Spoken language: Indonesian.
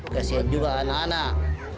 kasian juga anak anak